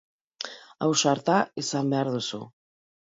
Ausarta izan behar duzu.